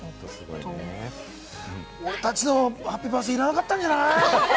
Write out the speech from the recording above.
俺たちのハッピーバースデーいらなかったんじゃない？